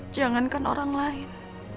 jangankan orang lain